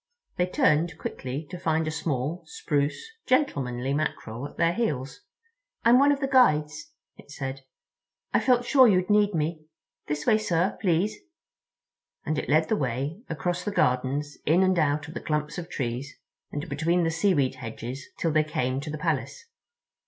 They turned quickly to find a small, spruce, gentlemanly Mackerel at their heels. "I'm one of the Guides," it said. "I felt sure you'd need me. This way, sir, please," and it led the way across the gardens in and out of the clumps of trees and between the seaweed hedges till they came to the Palace.